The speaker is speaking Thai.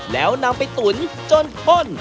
แล้วนำไปตุ๋นจนพ่น